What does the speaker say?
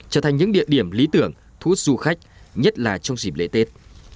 trở thành những địa điểm lý tưởng thu hút du khách nhất là trong dịp lễ tết